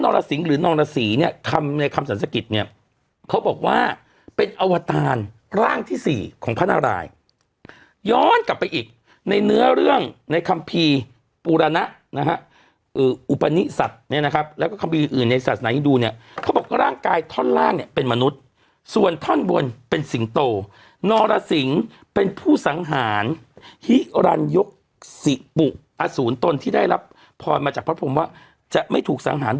นรสิงหรือนรสิเนี่ยในคำสรรสกิจเนี่ยเขาบอกว่าเป็นอวตารร่างที่สี่ของพระนารายย์ย้อนกลับไปอีกในเนื้อเรื่องในคัมภีร์ปุรณะนะฮะอุปนิสัตว์เนี่ยนะครับแล้วก็คัมภีร์อื่นในศาสนาธินดูเนี่ยเขาบอกว่าร่างกายท่อนล่างเนี่ยเป็นมนุษย์ส่วนท่อนบนเป็นสิงโตนรสิงเป็นผู้สังหารฮิรันยก